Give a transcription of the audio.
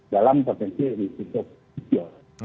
dalam potensi risiko kecil